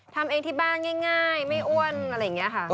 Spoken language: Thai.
ทำเองที่บ้านง่ายไม่อ้วนอะไรอย่างนี้ค่ะ